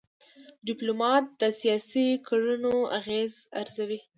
ډيپلومات د سیاسي کړنو اغېز ارزوي.